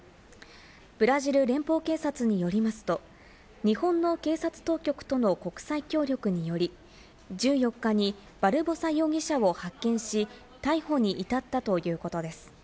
ブラジル連邦警察によりますと、日本の警察当局との国際協力により、１４日にバルボサ容疑者を発見し、逮捕に至ったということです。